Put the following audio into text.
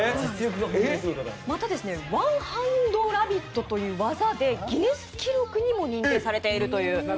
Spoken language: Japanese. またワンハンドラビットという技でギネス記録にも認定されているという。